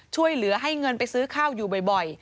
ช่วยเหลือให้เงินไปซื้อข้าวอยู่บ่อย